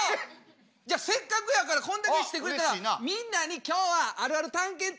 じゃあせっかくやからこんだけ知ってくれたらみんなに今日はあるある探検隊員のみんなになってもらおう！